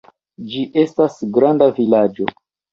Ĝi estas granda vilaĝo.